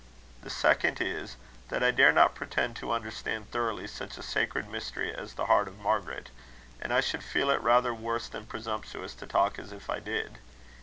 The second is: "That I dare not pretend to understand thoroughly such a sacred mystery as the heart of Margaret; and I should feel it rather worse than presumptuous to talk as if I did.